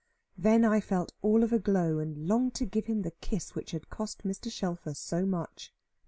Then I felt all of a glow and longed to give him the kiss which had cost Mr. Shelfer so much.